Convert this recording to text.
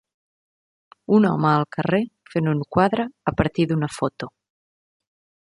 Un home al carrer fent un quadre a partir d'una foto.